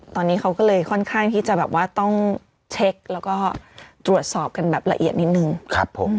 ตอนนี้เขาก็เลยค่อนข้างที่จะแบบว่าต้องเช็คแล้วก็ตรวจสอบกันแบบละเอียดนิดนึงครับผม